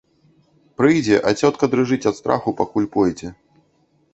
Прыйдзе, а цётка дрыжыць ад страху, пакуль пойдзе.